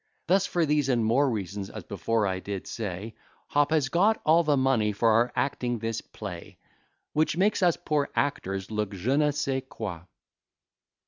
Thus, for these and more reasons, as before I did say Hop has got all the money for our acting this play, Which makes us poor actors look je ne sçai quoy.